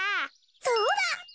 そうだ！